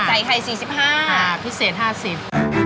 ใส่ไข่สี่สิบห้าพิเศษห้าสิบ